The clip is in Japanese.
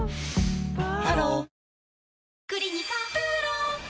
ハロー